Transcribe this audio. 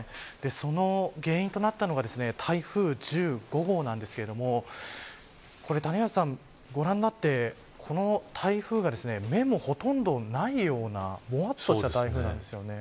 その原因となったのが台風１５号なんですけれどもこれ、谷原さんご覧になってこの台風が目もほとんどないようなもわっとした台風なんですよね。